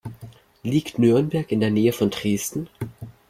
Liegt Nürnberg in der Nähe von Dresden?